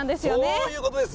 そういうことです。